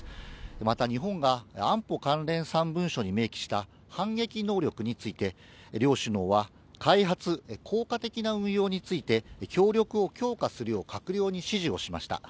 また、日本が安保関連３文書に明記した反撃能力について、両首脳は開発、効果的な運用について、協力を強化するよう閣僚に指示をしました。